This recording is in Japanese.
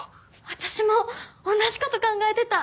私も同じ事考えてた！